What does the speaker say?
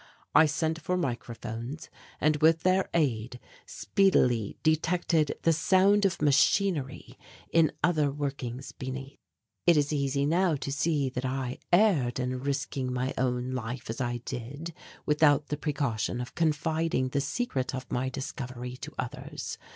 I sent for microphones and with their aid speedily detected the sound of machinery in other workings beneath. It is easy now to see that I erred in risking my own life as I did without the precaution of confiding the secret of my discovery to others.